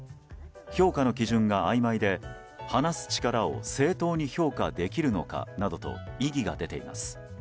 評価の基準があいまいで話す力を正当に評価できるのかなどと異議が出ています。